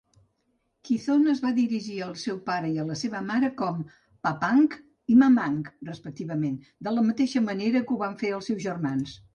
Quizon es va dirigir al seu pare i a la seva mare com "Papang" i "Mamang", respectivament, de la mateixa manera que ho van fer els seus germans.